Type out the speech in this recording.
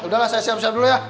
udah lah saya siap siap dulu ya